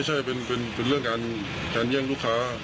ใช่เป็นเรื่องการแย่งลูกค้า